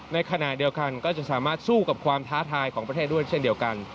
ในขณะเดียวกันก็จะสามารถสู้กับความท้าทายของประเทศด้วยเช่นเดียวกัน